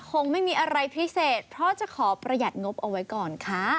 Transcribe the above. คงไม่มีอะไรพิเศษเพราะจะขอประหยัดงบเอาไว้ก่อนค่ะ